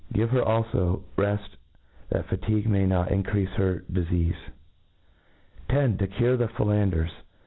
^ Give her alfo reft, that fatigue may not increafe her dif* cafe* 10. '^0 cure the T^ellanders.